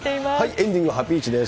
エンディング、ハピイチです。